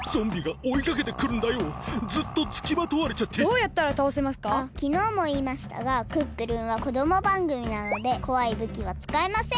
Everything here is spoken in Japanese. あっきのうもいいましたが「クックルン」はこどもばんぐみなのでこわいぶきはつかえません。